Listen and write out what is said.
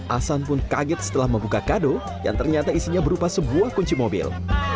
ahsan pun kaget setelah membuka kado yang ternyata isinya berupa sebuah kunci mobil